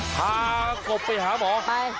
กบไปหาหมอไป